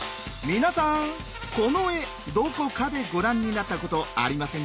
皆さんこの絵どこかでご覧になったことありませんか？